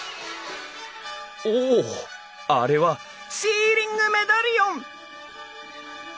おあれはシーリングメダリオン！